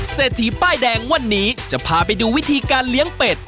เศรษฐีป้ายแดงวันนี้จะพาไปดูวิธีการเลี้ยงเป็ด